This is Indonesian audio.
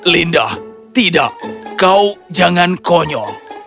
linda tidak kau jangan konyol